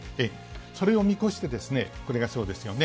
それを見越して、これがそうですよね。